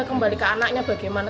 kembali ke anaknya bagaimana